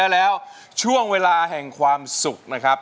แล้วช่วงเวลาแห่งความสุขนะครับ